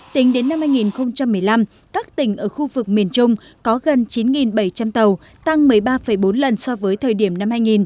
tính đến năm hai nghìn một mươi năm các tỉnh ở khu vực miền trung có gần chín bảy trăm linh tàu tăng một mươi ba bốn lần so với thời điểm năm hai nghìn